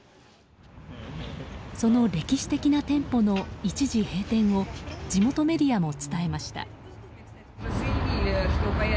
その歴史的な店舗の一時閉店を地元メディアも伝えました。